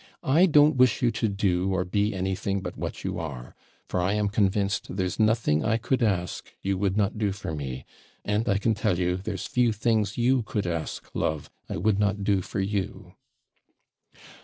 I don't wish you to do or be anything but what you are; for I am convinced there's nothing I could ask you would not do for me; and, I can tell you, there's few things you could ask, love, I would not do for you.'